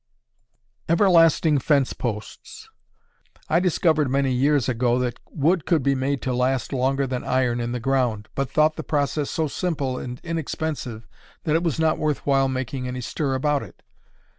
Everlasting Fence Posts. I discovered many years ago that wood could be made to last longer than iron in the ground, but thought the process so simple and inexpensive that it was not worth while making any stir about it.